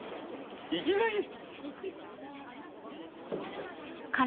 活きがいい！